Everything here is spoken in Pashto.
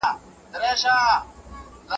نیمه خوا ستا له لمبې یم پاتې شوی